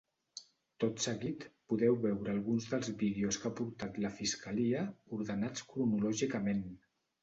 Tot seguit, podeu veure alguns dels vídeos que ha aportat la fiscalia, ordenats cronològicament.